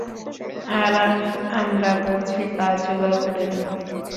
আর আমরা পৌঁছে কাজ জোগাড় করে নেব।